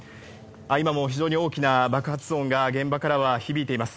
今も非常に大きな爆発音が現場からは響いています。